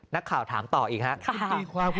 นักข่าวถามต่ออีกครับ